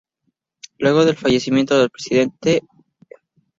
Luego del fallecimiento del presidente Tte.